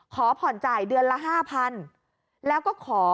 ขอผ่อนจ่ายเดือนละ๕๐๐๐บาท